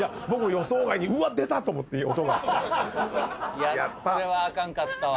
いやそれはあかんかったわ。